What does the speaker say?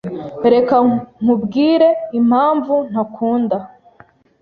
Reka nkubwire impamvu ntakunda